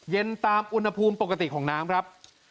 เย็นตามอุณหภูมิปกติของน้ำครับ